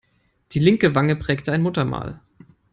Die linke Wange prägte ein Muttermal.